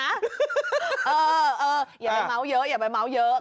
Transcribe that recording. อย่าไปเมาส์เยอะอย่าไปเมาส์เยอะ